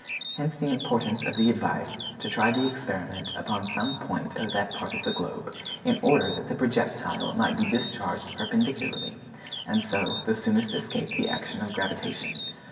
Hence the importance of the advice to try the experiment upon some point of that part of the globe, in order that the projectile might be discharged perpendicularly, and so the soonest escape the action of gravitation.